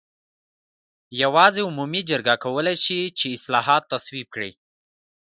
یوازې عمومي جرګه کولای شي چې اصلاحات تصویب کړي.